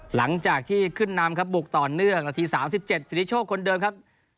หลังจากที่ขึ้นนำครับบุกต่อเนื่องนาที๓๗สิทธิโชคคนเดิมครับ